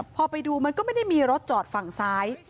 พอไปดูมันก็ไม่ได้มีรถจอดฝั่งซ้าย